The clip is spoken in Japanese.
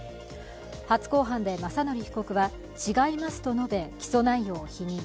初公判で雅則被告は違いますと述べ起訴内容を否認。